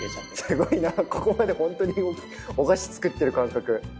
すごいなあここまでホントにお菓子作ってる感覚。